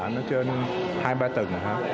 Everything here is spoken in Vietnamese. nó trên hai ba tầng